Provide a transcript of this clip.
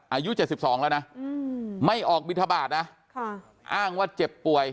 อายุ๗๒แล้วนะไม่ออกบินทบาทนะอ้างว่าเจ็บป่วย